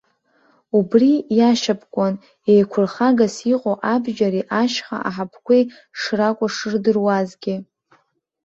Убри иашьапкуан, еиқәырхагас иҟоу абџьари ашьха аҳаԥқәеи шракәу шырдыруазгьы.